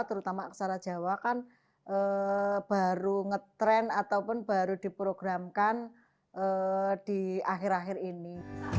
terutama aksara jawa kan baru ngetrend ataupun baru diprogramkan di akhir akhir ini